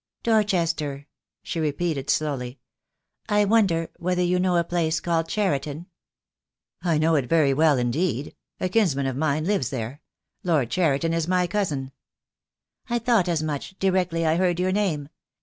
"Dorchester," she repeated slowly. "I wonder whether you know a place called Cheriton?" 282 JHE DAY WILL COME. "I know it very well, indeed. A kinsman of mine lives there. Lord Cheriton is my cousin." "I thought as much, directly I heard your name.